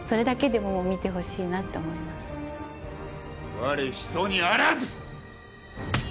我、人にあらず！